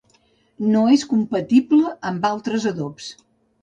No és compatible amb altres adobs.